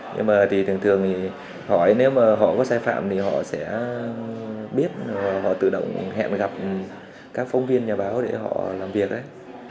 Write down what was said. nhưng mà thì thường thường thì hỏi nếu mà họ có sai phạm thì họ sẽ biết họ tự động hẹn gặp các phóng viên nhà báo để họ làm việc ấy